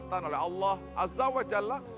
ditan oleh allah azza wa jalla